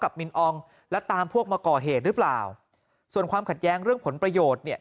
มินอองและตามพวกมาก่อเหตุหรือเปล่าส่วนความขัดแย้งเรื่องผลประโยชน์เนี่ย